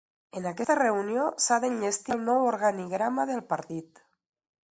En aquesta reunió s’ha d’enllestir el nou organigrama del partit.